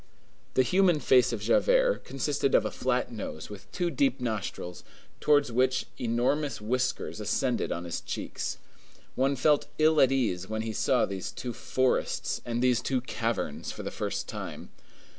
The human face of Javert consisted of a flat nose, with two deep nostrils, towards which enormous whiskers ascended on his cheeks. One felt ill at ease when he saw these two forests and these two caverns for the first time.